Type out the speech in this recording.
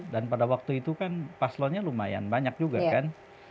dan pada waktu itu kan paslonnya lumayan banyak juga kan